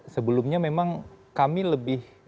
sebelumnya memang kami lebih